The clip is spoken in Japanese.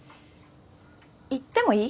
行ってもいい？